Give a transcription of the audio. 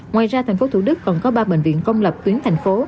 ngoài ra thành phố thủ đức còn có ba bệnh viện công lập tuyến thành phố